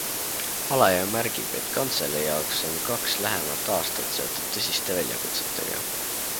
Alajõe märgib, et kantselei jaoks on kaks lähemat aastat seotud tõsiste väljakutsetega.